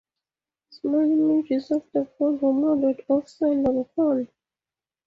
Small images of the god were molded of sand and corn.